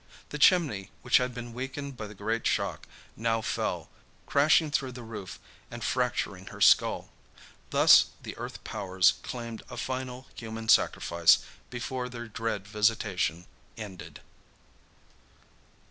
The chimney, which had been weakened by the great shock, now fell, crashing through the roof and fracturing her skull. Thus the earth powers claimed a final human sacrifice before their dread visitation ended.